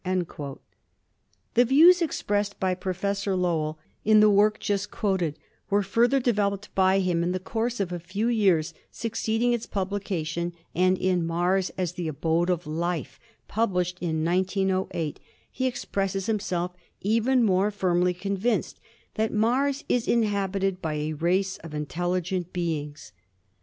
The views expressed by Professor Lowell in the work 190 ASTRONOMY just quoted were further developed by him in the course of a few years succeeding its publication, and in "Mars as the Abode of Life," published in 1908, he expresses him self as even more firmly convinced that Mars is inhabited by a race of intelligent beings.